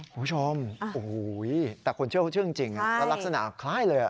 โอ้โฮชอบแต่คนเชื่อเขาเชื่อจริงและลักษณะคล้ายเลย